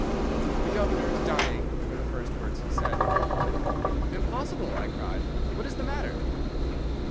"'The governor is dying,' were the first words he said. "'Impossible!' I cried. 'What is the matter?